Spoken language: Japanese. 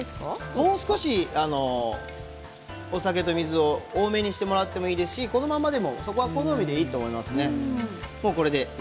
もう少し、お酒と水を多めにしてもいいですしこのままでも好みでいいと思います。